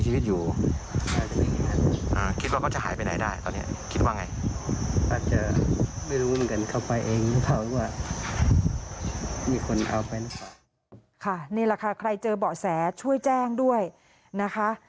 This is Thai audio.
นี่แหละค่ะใครเจอเบาะแสช่วยแจ้งด้วยนะคะ